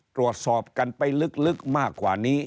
ตรวจสอบกันไปลึกมากกว่านี้